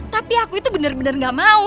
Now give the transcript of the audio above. tapi aku itu bener bener gak mau